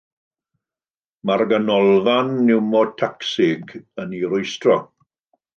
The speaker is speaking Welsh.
Mae'r ganolfan niwmotacsig yn ei rwystro.